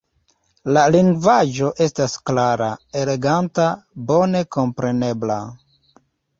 La lingvaĵo estas klara, eleganta, bone komprenebla.